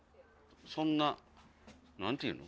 そんな何ていうの？